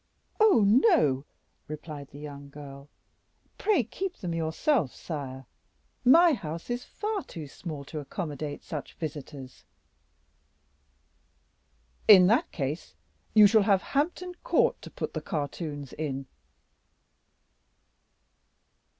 "Oh, no!" replied the young girl; "pray keep them yourself, sire; my house is far too small to accommodate such visitors." "In that case you shall have Hampton Court to put the cartoons in."